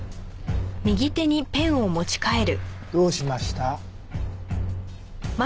どうしました？